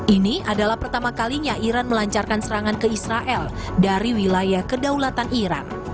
ini adalah pertama kalinya iran melancarkan serangan ke israel dari wilayah kedaulatan iran